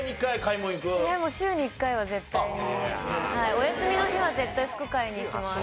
お休みの日は絶対服買いに行きます。